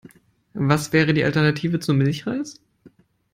Was wäre die Alternative zu Milchreis?